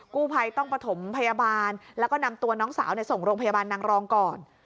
กู้ภัยต้องประถมพยาบาลแล้วก็นำตัวน้องสาวส่งโรงพยาบาลนางรองก่อน